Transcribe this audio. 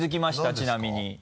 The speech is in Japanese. ちなみに。